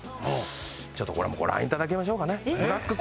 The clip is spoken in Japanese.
ちょっとこれはもうご覧頂きましょうかね。